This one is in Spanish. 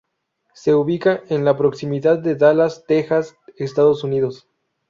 Se ubica en la proximidad de Dallas, Texas, Estados Unidos.